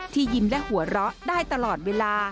ยิ้มและหัวเราะได้ตลอดเวลา